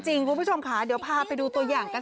เดี๋ยวจะโดนโป่งโป่งโป่งโป่ง